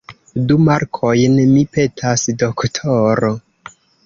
Du markojn, mi petas, doktoro.